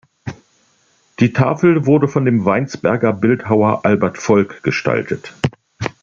Die Tafel wurde von dem Weinsberger Bildhauer Albert Volk gestaltet.